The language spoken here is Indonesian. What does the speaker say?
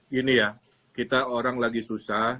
gini ya kita orang lagi susah